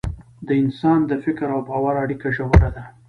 د انسان د فکر او باور اړیکه ژوره ده.